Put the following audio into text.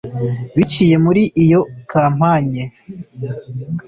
Biciye muri iyo kampanye